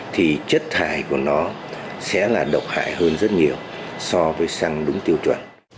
thì chất thải của nó sẽ là độc hại hơn rất nhiều so với săng đúng tiêu chuẩn